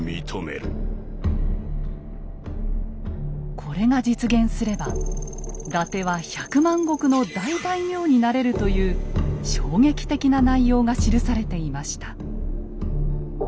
これが実現すれば伊達は１００万石の大大名になれるという衝撃的な内容が記されていました。